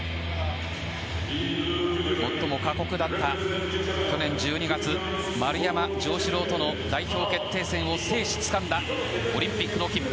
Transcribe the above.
最も過酷だった去年１２月の丸山城志郎との代表決定戦を制しつかんだオリンピックの切符。